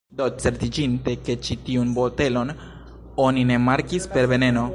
Do, certiĝinte ke ĉi tiun botelon oni ne markis per 'veneno'